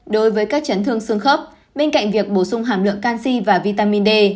đối với các chấn thương xương khớp bên cạnh việc bổ sung hàm lượng canxi và vitamin d